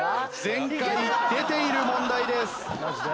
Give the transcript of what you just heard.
前回出ている問題です。